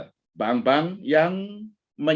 dari pemberian pembayaran dan penyelenggaraan